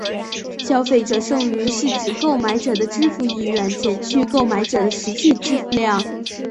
消费者剩余是指购买者的支付意愿减去购买者的实际支付量。